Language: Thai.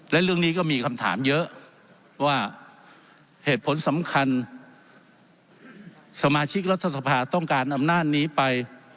และเรื่องนี้ก็มีคำถามเยอะว่าเหตุผลสำคัญสมาชิกรัฐสภาต้องการอำนาจนี้ไป